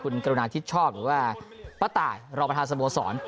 คุณกรุณาทิศชอบหรือว่าป้าตายรองประธานสโมสร